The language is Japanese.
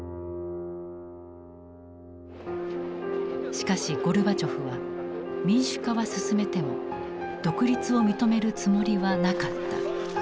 しかしゴルバチョフは民主化は進めても独立を認めるつもりはなかった。